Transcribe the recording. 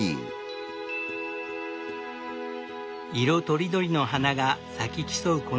色とりどりの花が咲き競う